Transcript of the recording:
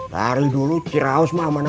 dari dulu ciraus mah aman aman saja